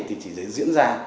thì chỉ diễn ra